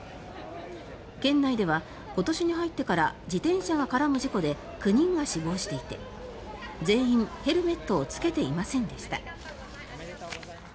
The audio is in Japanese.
県内では今年に入ってから自転車が絡む事故で９人が死亡していて全員、ヘルメットを着けていませんでした。